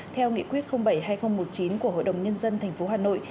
theo nghị quyết bảy hai nghìn một mươi chín của hội đồng nhân dân tp hà nội